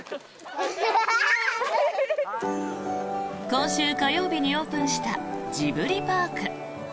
今週火曜日にオープンしたジブリパーク。